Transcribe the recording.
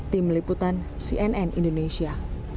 tim liputan cnn indonesia